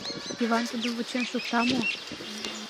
Йыван тудым вучен шукта мо?..